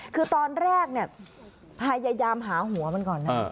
คือตอนแรกเนี่ยพยายามหาหัวมันก่อนนะ